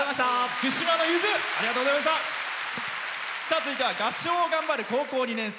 続いては合唱を頑張る高校２年生。